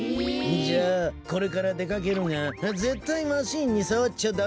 じゃあこれからでかけるがぜったいマシーンにさわっちゃダメなのだ。